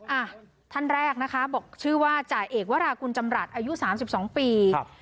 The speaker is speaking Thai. อ่ะท่านแรกนะคะบอกชื่อว่าจ่ายเอกวรากุลจำรัฐอายุ๓๒ปี